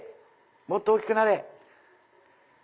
もっと大きくなれ！